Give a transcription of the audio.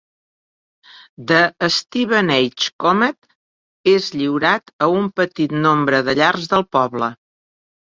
"The Stevenage Comet" és lliurat a un petit nombre de llars del poble.